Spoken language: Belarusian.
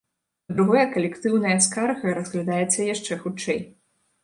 Па-другое, калектыўная скарга разглядаецца яшчэ хутчэй.